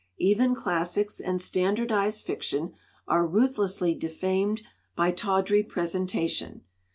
Even classics and standardized fiction are ruthlessly defamed by tawdry presentation.